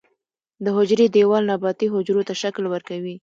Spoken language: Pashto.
د حجرې دیوال نباتي حجرو ته شکل ورکوي